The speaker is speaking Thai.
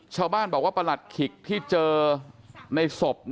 ชาวบ้านบอกว่าประหลัดขิกที่เจอในศพ